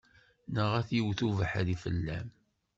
Neɣ ad yewwet ubeḥri fell-am.